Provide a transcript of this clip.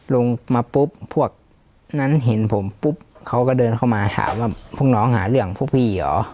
ลงมาปุ๊บพวกนั้นเห็นผมปุ๊บเขาก็เดินเข้ามาถามว่าพวกน้องหาเรื่องพวกพี่เหรอ